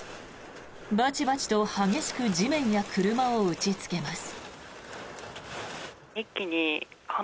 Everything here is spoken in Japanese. バチバチと激しく地面や車を打ちつけます。